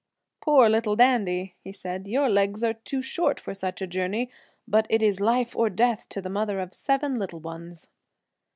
"Poor little Dandy!" he said, "your legs are too short for such a journey, but it is life or death to the mother of seven little ones."